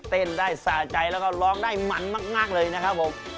เต้นได้สะใจแล้วก็ร้องได้มันมากเลยนะครับผม